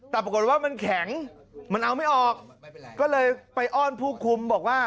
แต่ปรากฏว่ามันแข็งมันเอาไม่ออกก็เลยไปอ้อนผู้คุมบอกว่า